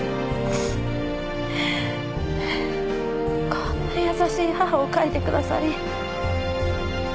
こんな優しい母を描いてくださり。